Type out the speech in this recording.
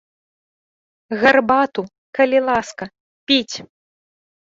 Гарбату, калі ласка, піць.